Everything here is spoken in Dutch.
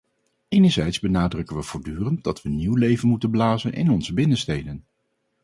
Enerzijds benadrukken we voortdurend dat we nieuw leven moeten blazen in onze binnensteden.